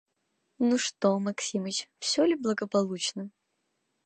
Ну, что, Максимыч, все ли благополучно?»